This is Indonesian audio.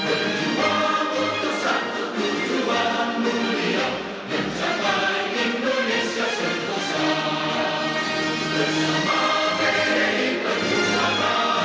berjuang untuk satu tujuan mulia mencapai indonesia sepuluh tahun